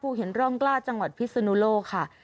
เห็นร่องกล้าจังหวัดพิศนุโลกค่ะ